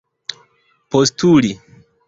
postuli